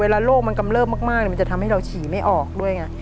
เวลาโรคมันกำเลิกมากมากมันจะทำให้เราฉี่ไม่ออกด้วยไง